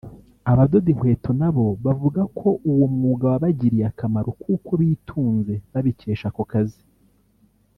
Abadoda inkweto na bo bavuga ko uwo mwuga wabagiriye akamaro kuko bitunze babikesha ako kazi